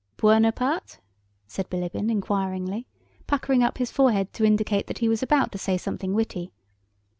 "Buonaparte?" said Bilíbin inquiringly, puckering up his forehead to indicate that he was about to say something witty.